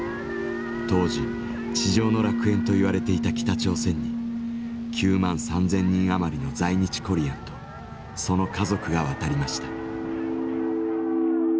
当時「地上の楽園」といわれていた北朝鮮に９万３，０００人余りの在日コリアンとその家族が渡りました。